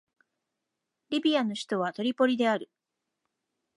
リビアの首都はトリポリである